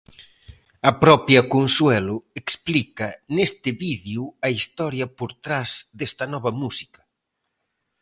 A propia Consuelo explica neste vídeo a historia por tras desta nova música.